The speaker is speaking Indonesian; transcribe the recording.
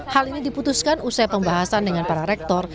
hal ini diputuskan usai pembahasan dengan para rektor